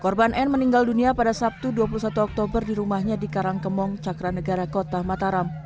korban n meninggal dunia pada sabtu dua puluh satu oktober di rumahnya di karangkemong cakra negara kota mataram